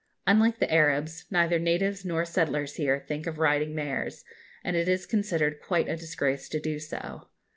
Unlike the Arabs, neither natives nor settlers here think of riding mares, and it is considered quite a disgrace to do so.